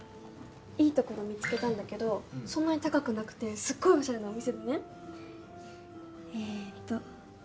いいところ見つけたんだけどそんなに高くなくてすっごいオシャレなお店でねえっと